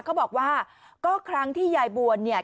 เขาบอกว่าก็ครั้งที่ยายบวนเนี่ย